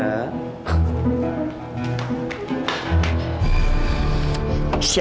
salam si rizky